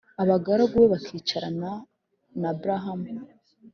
Abagungu be bakicarana na Aburahamu